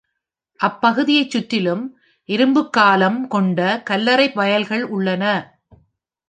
அப்பகுதியை சுற்றிலும் இரும்புக் காலம் கொண்ட கல்லறை வயல்கள் உள்ளன.